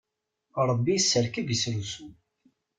Ṛebbi isserkab isrusu.